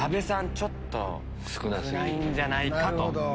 ちょっと少ないんじゃないかと。